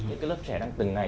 những lớp trẻ đang từng ngày